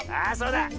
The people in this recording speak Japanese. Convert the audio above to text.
あそうだ！